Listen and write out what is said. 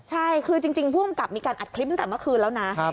ใช่คือจริงผู้กำกับมีการอัดคลิปตั้งแต่เมื่อคืนแล้วนะ